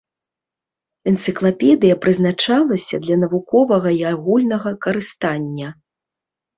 Энцыклапедыя прызначалася для навуковага і агульнага карыстання.